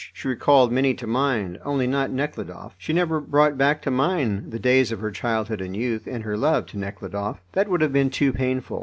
She recalled many to mind, only not Nekhludoff. She never brought back to mind the days of her childhood and youth, and her love to Nekhludoff. That would have been too painful.